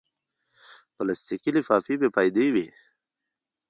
پلاستيکي لفافې بېفایدې وي.